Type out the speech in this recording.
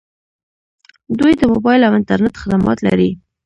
دوی د موبایل او انټرنیټ خدمات لري.